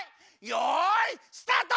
よいスタート！